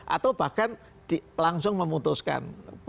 atau bahkan langsung memutuskan